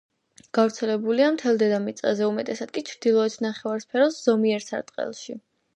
გავრცელებულია მთელ დედამიწაზე, უმთავრესად კი ჩრდილოეთ ნახევარსფეროს ზომიერ სარტყელში.